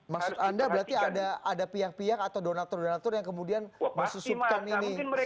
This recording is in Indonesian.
maksud anda berarti ada pihak pihak atau donator donator yang kemudian mengusupkan ini sebagai ide mereka